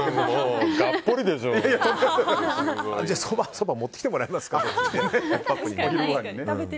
そば持ってきてもらいますか。